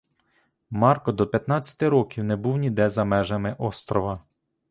Марко до п'ятнадцяти років не був ніде за межами острова.